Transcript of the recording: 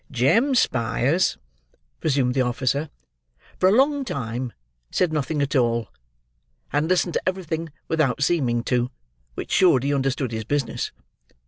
"Jem Spyers," resumed the officer, "for a long time said nothing at all, and listened to everything without seeming to, which showed he understood his business.